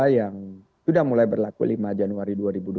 yang sudah mulai berlaku lima januari dua ribu dua puluh